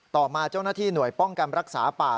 ต่อมาเจ้าหน้าที่หน่วยป้องกันรักษาป่า